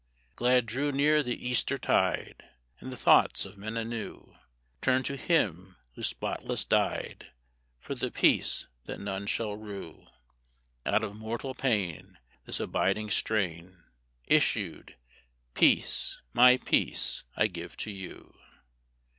Glad drew near the Easter tide; And the thoughts of men anew Turned to Him who spotless died For the peace that none shall rue. Out of mortal pain This abiding strain Issued: "Peace, my peace, I give to you."